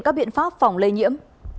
các biện pháp phòng lây nhiễm